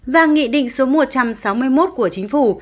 và nghị định số một trăm sáu mươi một của chính phủ